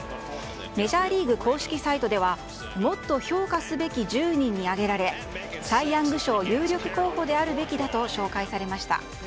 メジャーリーグ公式サイトではもっと評価すべき１０人に挙げられサイ・ヤング賞有力候補であるべきだと紹介されました。